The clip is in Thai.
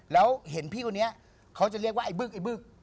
แล้วเห็นพี่คนนี้เขาจะเรียกว่าไอ้บึ้งไอ้บึ้ง